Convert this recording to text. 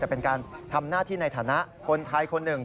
แต่เป็นการทำหน้าที่ในฐานะคนไทยคนหนึ่ง